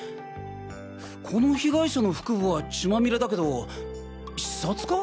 この被害者の腹部は血まみれだけど刺殺か？